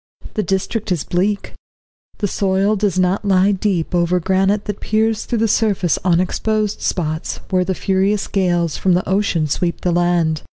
The district is bleak, the soil does not lie deep over granite that peers through the surface on exposed spots, where the furious gales from the ocean sweep the land.